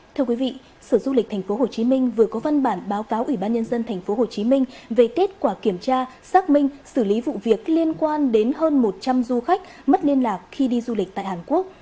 thưa quý vị sở du lịch tp hcm vừa có văn bản báo cáo ủy ban nhân dân tp hcm về kết quả kiểm tra xác minh xử lý vụ việc liên quan đến hơn một trăm linh du khách mất liên lạc khi đi du lịch tại hàn quốc